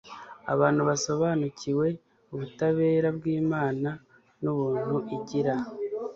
Abantu basobanukiwe ubutabera bwImana nubuntu igira